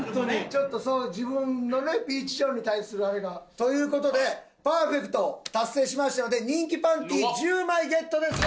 ちょっと自分のねピーチ・ジョンに対するあれが。という事でパーフェクト達成しましたので人気パンティー１０枚ゲットです。